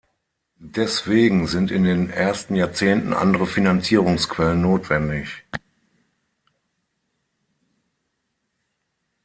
Deswegen sind in den ersten Jahrzehnten andere Finanzierungsquellen notwendig.